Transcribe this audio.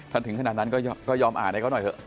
ถ้าถึงขนาดนั้นก็ยอมอ่านให้เขาหน่อยเถอะ